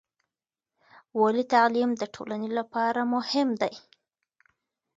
ولې تعلیم د ټولنې لپاره مهم دی؟